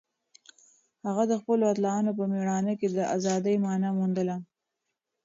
هغه د خپلو اتلانو په مېړانه کې د ازادۍ مانا موندله.